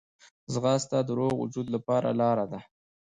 ځغاسته د روغ وجود لپاره لاره ده